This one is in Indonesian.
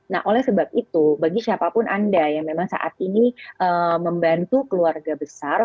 nah oleh sebab itu bagi siapapun anda yang memang saat ini membantu keluarga besar